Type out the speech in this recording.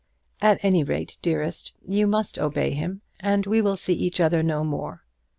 At any rate, dearest, you must obey him, and we will see each other no more.